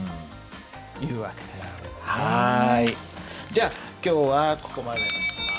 じゃあ今日はここまでにします。